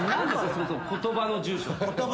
そもそも言葉の住所って。